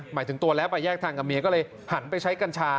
หมายถึงตัวแล้วไปแยกทางกับเมียก็เลยหันไปใช้กัญชา